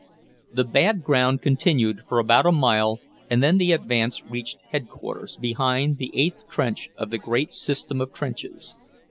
The bad ground continued for about a mile, and then the advance reached Headquarters, behind the eighth trench of the great system of trenches.